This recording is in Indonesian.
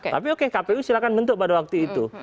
tapi oke kpu silahkan bentuk pada waktu itu